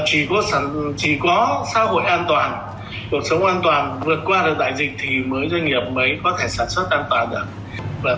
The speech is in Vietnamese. chỉ có xã hội an toàn cuộc sống an toàn vượt qua được đại dịch thì mới doanh nghiệp mới có thể sản xuất an toàn được